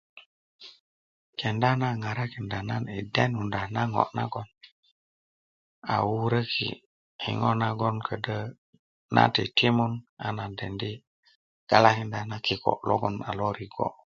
kenda na ŋarakinda nan yi denunda na ŋo' nagon a wuröki yi ŋo' nagon ködyö nan titimun a nan dendi galakinda kiko' logon a lorigbo'